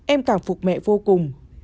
em cảm phục mẹ vô cùng